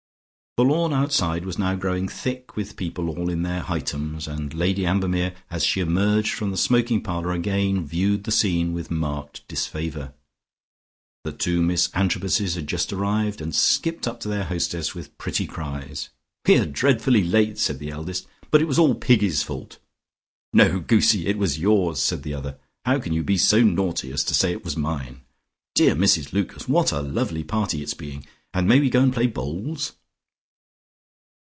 The lawn outside was now growing thick with people all in their Hightums, and Lady Ambermere as she emerged from the smoking parlour again viewed the scene with marked disfavour. The two Miss Antrobuses had just arrived, and skipped up to their hostess with pretty cries. "We are dreadfully late," said the eldest, "but it was all Piggy's fault." "No, Goosie, it was yours," said the other. "How can you be so naughty as to say it was mine? Dear Mrs Lucas, what a lovely party it's being, and may we go and play bowls?"